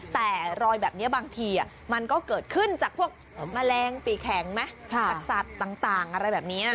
แต่รอยแบบนี้บางทีมันก็เกิดขึ้นจากพวกแมลงปีแข็งไหมจากสัตว์ต่างอะไรแบบนี้